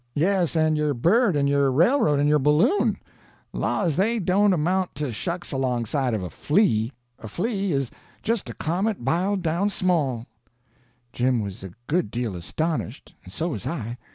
_—yes, and your bird, and your railroad, and your balloon? Laws, they don't amount to shucks 'longside of a flea. A flea is just a comet b'iled down small." [Illustration: "Where's your man now?"] Jim was a good deal astonished, and so was I.